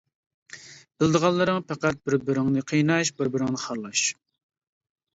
بىلىدىغانلىرىڭ پەقەت بىر-بىرىڭنى قىيناش، بىر-بىرىڭنى خارلاش.